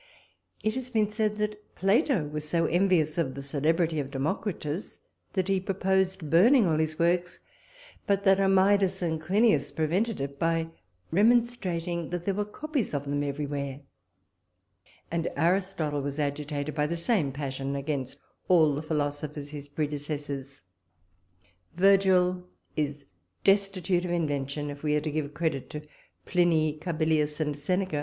It has been said, that Plato was so envious of the celebrity of Democritus, that he proposed burning all his works; but that Amydis and Clinias prevented it, by remonstrating that there were copies of them everywhere; and Aristotle was agitated by the same passion against all the philosophers his predecessors. Virgil is destitute of invention, if we are to give credit to Pliny, Carbilius, and Seneca.